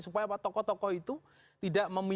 supaya tokoh tokoh itu tidak memiliki